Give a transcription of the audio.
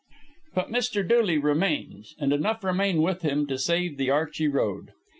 But Mr. Dooley remains, and enough remain with him to save the Archey Road.